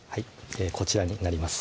こちらになります